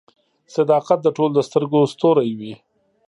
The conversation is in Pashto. • صداقت د ټولو د سترګو ستوری وي.